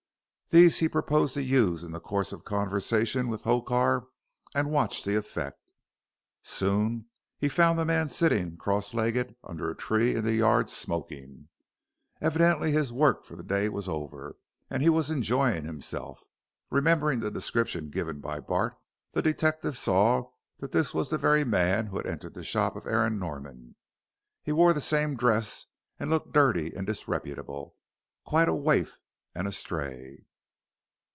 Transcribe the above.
These he proposed to use in the course of conversation with Hokar and watch the effect. Soon he found the man sitting cross legged under a tree in the yard, smoking. Evidently his work for the day was over, and he was enjoying himself. Remembering the description given by Bart, the detective saw that this was the very man who had entered the shop of Aaron Norman. He wore the same dress and looked dirty and disreputable quite a waif and a stray.